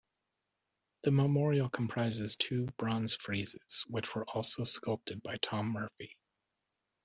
The memorial comprises two bronze friezes, which were also sculpted by Tom Murphy.